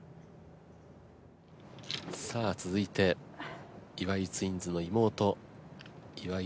さあ続いて岩井ツインズの妹岩井